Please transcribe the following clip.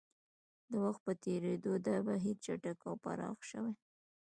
د وخت په تېرېدو دا بهیر چټک او پراخ شوی.